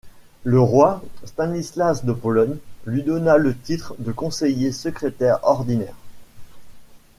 Le roi, Stanislas de Pologne, lui donna le titre de conseiller secrétaire ordinaire.